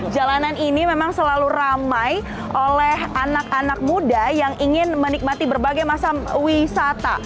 jalanan ini memang selalu ramai oleh anak anak muda yang ingin menikmati berbagai masa wisata